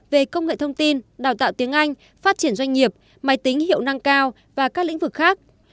về công nghệ thông tin đào tạo tiếng anh phát triển doanh nghiệp máy tính hiệu năng cao và các lĩnh vực khác